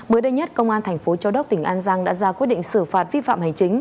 mới đây nhất công an thành phố châu đốc tỉnh an giang đã ra quyết định xử phạt vi phạm hành chính